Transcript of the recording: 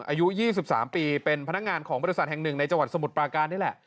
อายุ๒๓ปีเป็นพนักงานของบริษัทแห่งหนึ่งในจังหวัดสมุทรปราการนี่แหละ